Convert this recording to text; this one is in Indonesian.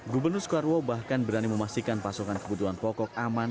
gubernur soekarwo bahkan berani memastikan pasokan kebutuhan pokok aman